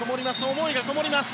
思いがこもります。